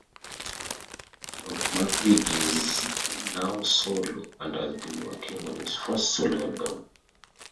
Rob McVey is now solo and has been working on his first solo album.